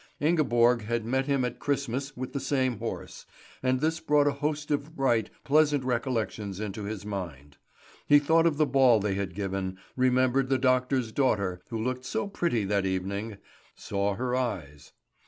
Ingeborg had met him at Christmas with the same horse, and this brought a host of bright, pleasant recollections into his mind. He thought of the ball they had given, remembered the doctor's daughter, who looked so pretty that evening, saw her eyes.